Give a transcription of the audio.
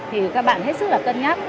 thì các bạn hết sức là cân nhắc